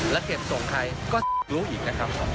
แล้วเก็บส่งใครก็รู้อีกนะครับ